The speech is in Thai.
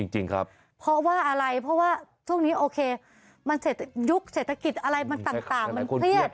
จริงครับเพราะว่าอะไรเพราะว่าช่วงนี้โอเคมันเสร็จยุคเศรษฐกิจอะไรมันต่างมันเครียด